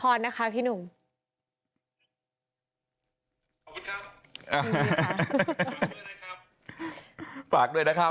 ขอบคุณครับภาคด้วยนะครับ